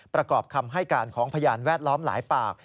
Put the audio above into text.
ประกอบคำให้การของพยานแวดล้อมหลายปาก